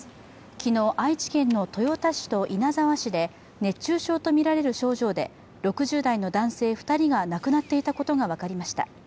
昨日愛知県の豊田市と稲沢市で、熱中症とみられる症状で６０代の男性２人が亡くなっていたことが分かりました。